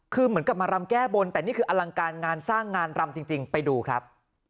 คือเหมือนกับมารำแก้บนแต่นี่คืออลังการงานสร้างงานรำจริงไปดูครับ